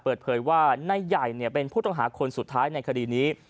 เปิดเผยว่านายใหญ่เป็นผู้ต้องหาคนสุดท้ายในคดีนี้